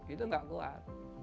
itu nggak kuat